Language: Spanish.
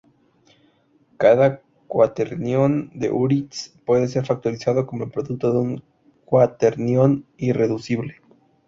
Cada cuaternión de Hurwitz puede ser factorizado como el producto de un cuaternión irreducible.